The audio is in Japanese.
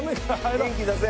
元気出せ。